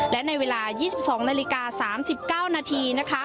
และในเวลา๒๒นาฬิกา๓๙นาที